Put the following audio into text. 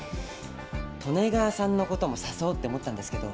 利根川さんの事も誘おうって思ったんですけど。